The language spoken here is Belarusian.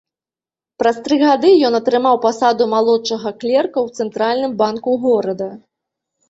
Праз тры гады ён атрымаў пасаду малодшага клерка ў цэнтральным банку горада.